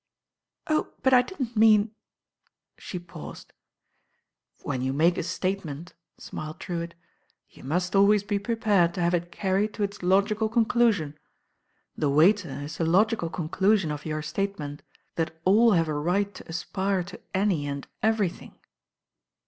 "Oh, but I didn't mean " she paused. "When you make a statement," smiled Drewitt, "you must always be prepared to have it carried to its logical conclusion. The waiter is the logical con clusion of your statement, that all have a right to aspire to any and everything."